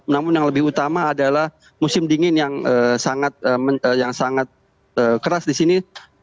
namun yang lebih utama adalah musim dingin yang sangat keras di sini